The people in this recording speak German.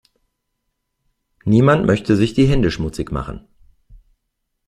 Niemand möchte sich die Hände schmutzig machen.